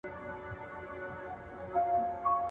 زه به اوږده موده چايي څښلي؟!